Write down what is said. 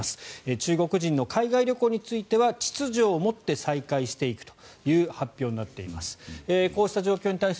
中国人の海外旅行については秩序を持って再開していくという発表になっています。